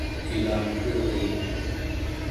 ilakelriit